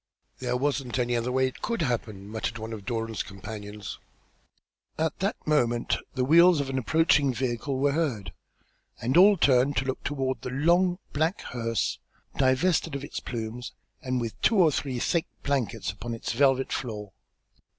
"There wasn't any other way it could happen," muttered one of Doran's companions. And at that moment the wheels of an approaching vehicle were heard, and all turned to look toward the long black hearse, divested of its plumes, and with two or three thick blankets upon its velvet floor.